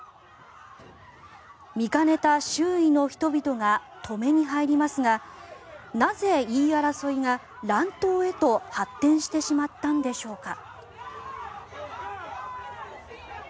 見かねた周囲の人々が止めに入りますがなぜ言い争いが乱闘へと発展してしまったんでしょうか。